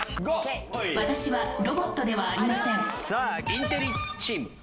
さあインテリチーム。